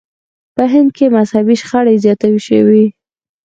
په هند کې مذهبي شخړې زیاتې شوې.